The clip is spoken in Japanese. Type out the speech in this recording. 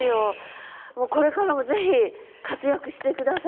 これからもぜひ活躍して下さい。